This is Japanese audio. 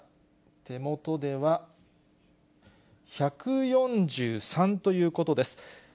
手元では、１４３ということです。